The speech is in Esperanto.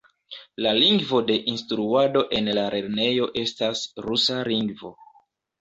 La lingvo de instruado en la lernejo estas rusa lingvo.